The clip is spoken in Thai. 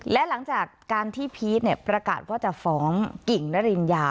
และหลังจากการที่พีชประกาศว่าจะฟ้องกิ่งนริญญา